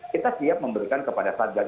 kita siap memberikan kepada satgas